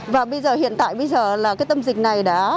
và hiện tại bây giờ là tâm dịch này